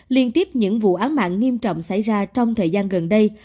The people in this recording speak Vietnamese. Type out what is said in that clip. liên tiếp những vụ án mạng nghiêm trọng xảy ra trong thời gian gần đây